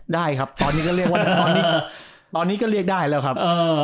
ได้ครับตอนนี้ก็เรียกได้แล้วครับ